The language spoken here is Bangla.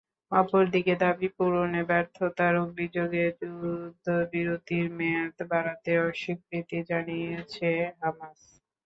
অপর দিকে দাবি পূরণে ব্যর্থতার অভিযোগে যুদ্ধবিরতির মেয়াদ বাড়াতে অস্বীকৃতি জানিয়েছে হামাস।